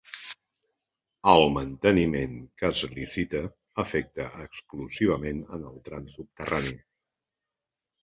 El manteniment que es licita afecta exclusivament en el tram subterrani.